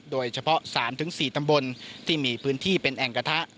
โดยเฉพาะ๓๔ตำบลที่มีพื้นที่เป็นแอ่งกระทะ